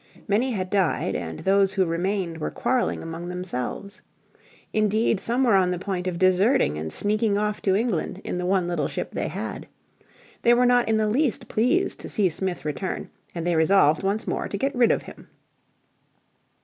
Many had died, and those who remained were quarrelling among themselves. Indeed some were on the point of deserting and sneaking off to England in the one little ship they had. They were not in the least pleased to see Smith return, and they resolved once more to get rid of him.